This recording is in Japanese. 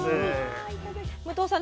武藤さん